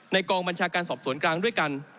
กองบัญชาการสอบสวนกลางด้วยกัน